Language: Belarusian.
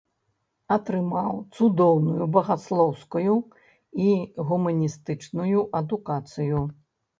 Атрымаў цудоўную багаслоўскую і гуманістычную адукацыю.